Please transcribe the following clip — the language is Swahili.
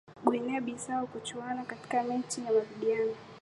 guinea bissau kuchuana katika mechi ya marudiano